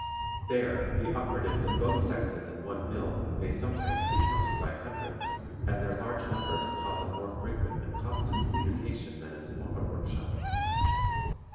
There the operatives of both sexes in one mill may sometimes be counted by hundreds, and their large numbers cause a more frequent and constant communication than in smaller workshops.